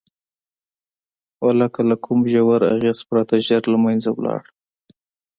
ولکه له کوم ژور اغېز پرته ژر له منځه لاړه.